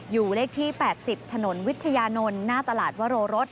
อยู่เลขที่๘๐ถนนวิชญานลหน้าตลาดวรรต